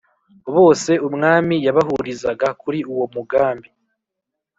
Bose umwami yabahurizaga kuri uwo mugambi.